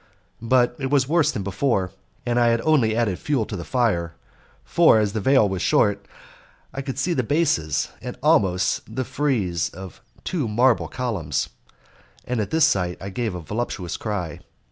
But it was worse than before, and I had only added fuel to the fire; for, as the veil was short, I could see the bases and almost the frieze of two marble columns; and at this sight I gave a voluptuous cry.